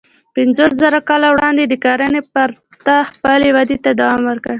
پنځوسزره کاله وروسته یې د کرنې پرته خپلې ودې ته دوام ورکړ.